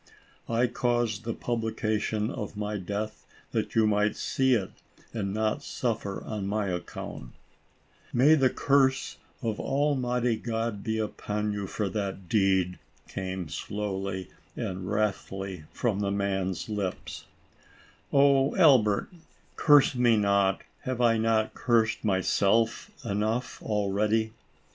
I caused the publication of the notice of my death, that you might see it, and not suffer on my account." " May the Curse df Almighty 6od be upon' you, 36 ALICE ; OR, THE WAGES OF SIN. for that deed !" came slowly and wrathfully from the man's lips. " Oh, Albert, curse me not ! Have I not cursed myself enough already?